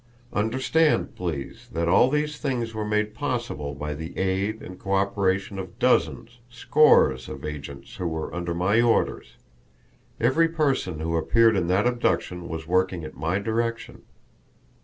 Understand, please, that all these things were made possible by the aid and cooperation of dozens, scores, of agents who were under my orders; every person who appeared in that abduction was working at my direction.